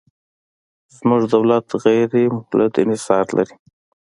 زموږ دولت غیر مولد انحصار لري.